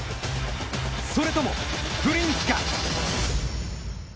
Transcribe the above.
それとも、プリンスか！